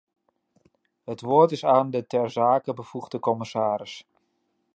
Het woord is aan de ter zake bevoegde commissaris.